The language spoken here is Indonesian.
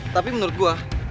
tapi menurut gua